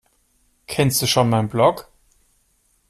Kennst du schon mein Blog?